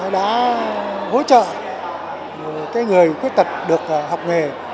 đã hỗ trợ người khuất tật được học nghề